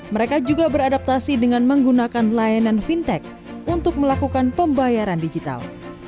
mereka juga beradaptasi dengan menggunakan layanan fintech untuk melakukan pembayaran digital